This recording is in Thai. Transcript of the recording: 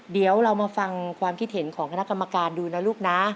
เดี๋ยวเรามาฟังความคิดเห็นของคณะกรรมการดูนะลูกนะ